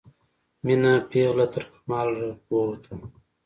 میینه پیغله ترکمال ووته